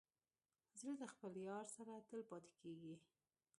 زړه د خپل یار سره تل پاتې کېږي.